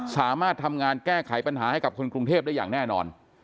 สามารถทำงานแก้ไขปัญหาให้กับคนกรุงเทพได้อย่างแน่นอน